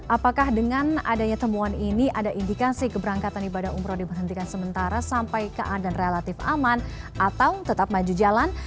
apakah dengan adanya temuan ini ada indikasi keberangkatan ibadah umroh diberhentikan sementara sampai keadaan relatif aman atau tetap maju jalan